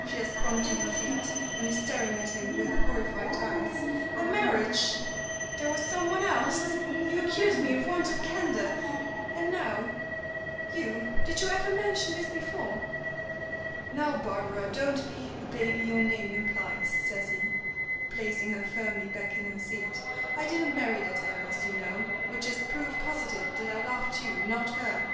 she has sprung to her feet, and is staring at him with horrified eyes. "A marriage! There was someone else! You accuse me of want of candor, and now, you did you ever mention this before?" "Now, Barbara, don't be the baby your name implies," says he, placing her firmly back in her seat. "I didn't marry that heiress, you know, which is proof positive that I loved you, not her."